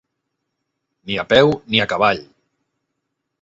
Ni a peu ni a cavall.